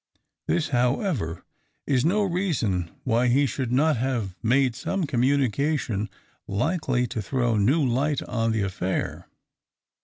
This, however, is no reason why he should not have made some communication likely to throw new light on the affair.